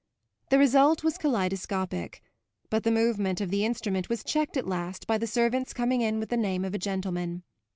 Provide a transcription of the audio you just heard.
The result was kaleidoscopic, but the movement of the instrument was checked at last by the servant's coming in with the name of a gentleman.